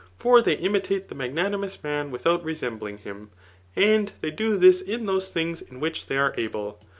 For they imitate the magnaniBM^us man wiih^ out resemhKng him ; said they do this in those tbinga in whioh they are able.